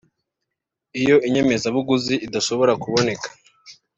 Iyo inyemezabuguzi idashobora kuboneka